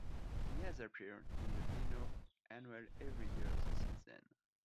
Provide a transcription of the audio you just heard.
He has appeared in the Beano Annual every year since then.